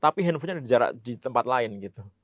tapi handphonenya ada jarak di tempat lain gitu